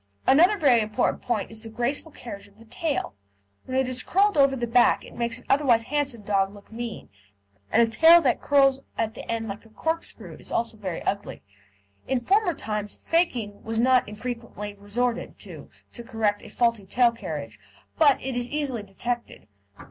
Another very important point is the graceful carriage of the tail. When it is curled over the back it makes an otherwise handsome dog look mean, and a tail that curls at the end like a corkscrew is also very ugly. In former times "faking" was not infrequently resorted to to correct a faulty tail carriage, but it is easily detected.